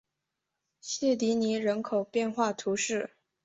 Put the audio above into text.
谢迪尼人口变化图示